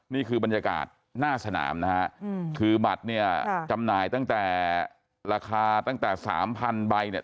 นี่คือบรรยากาศหน้าสนามนะฮะคือบัตรเนี่ยจำหน่ายตั้งแต่ราคาตั้งแต่๓๐๐ใบเนี่ย